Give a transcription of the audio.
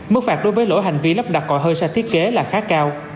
mức phạt đối với lỗi hành vi lắp đặt còi hơi xa thiết kế là khá cao